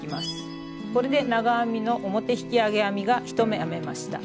これで長編みの表引き上げ編みが１目編めました。